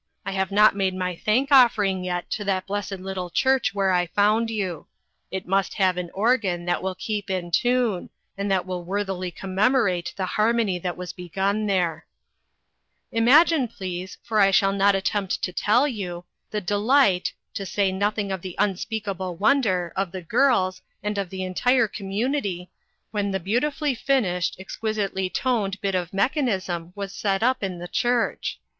I have not made my thank offering yet to that blessed little church where I found you. It must have an organ that will keep in tune, and that will worth ily commemorate the harmony that was be gun there." 44 2 INTERRUPTED. Imagine, please, for I shall not attempt to tell you, the delight, to say nothing of the unspeakable wonder, of the girls, and of the entire community, when the beauti fully finished, exquisitely toned bit of mech anism was set up in the church.